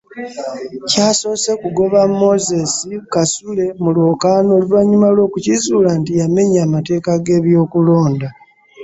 Kyasoose kugoba Moses Kasule mu lwokaano oluvannyuma lw'okukizuula nti yamenya amateeka g'ebyokulonda